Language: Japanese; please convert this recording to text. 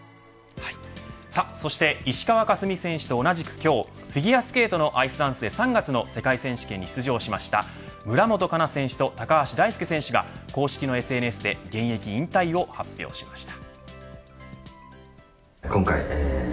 そして石川佳純選手と同じく、今日フィギュアスケートのアイスダンスで３月の世界選手権に出場した村元哉中選手と高橋大輔選手が公式のＳＮＳで現役引退を発表しました。